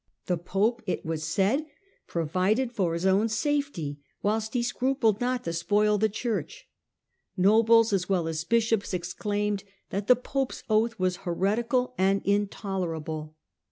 The pope, it was said, provided for his own safety, whilst he scrupled not to spoil the Church. Nobles, as well as bishops, exclaimed that the pope's oath was heretical and intolerable.